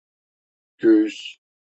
Göğüs…